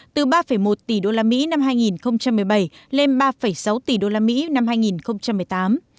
từ ba một tỷ đô la mỹ năm hai nghìn một mươi bảy lên ba sáu tỷ đô la mỹ năm hai nghìn một mươi tám